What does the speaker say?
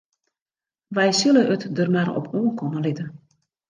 Wy sille it der mar op oankomme litte.